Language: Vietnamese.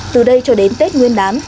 từ đây cho đến tết nguyên đám